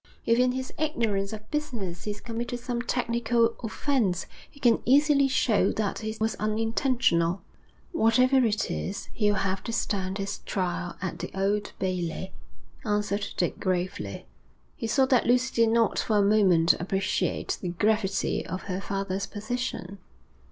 If in his ignorance of business he's committed some technical offence, he can easily show that it was unintentional.' 'Whatever it is, he'll have to stand his trial at the Old Bailey,' answered Dick gravely. He saw that Lucy did not for a moment appreciate the gravity of her father's position.